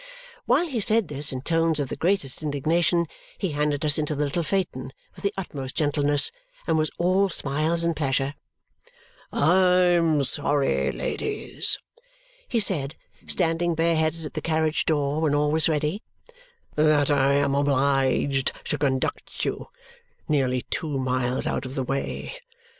While he said this in tones of the greatest indignation, he handed us into the little phaeton with the utmost gentleness and was all smiles and pleasure. "I am sorry, ladies," he said, standing bare headed at the carriage door when all was ready, "that I am obliged to conduct you nearly two miles out of the way.